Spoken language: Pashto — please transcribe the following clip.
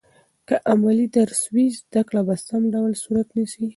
که عملي درس وي، زده کړه په سم ډول صورت نیسي.